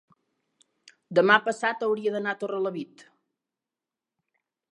demà passat hauria d'anar a Torrelavit.